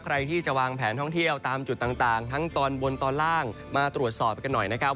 ใครที่จะวางแผนท่องเที่ยวตามจุดต่างทั้งตอนบนตอนล่างมาตรวจสอบกันหน่อยนะครับ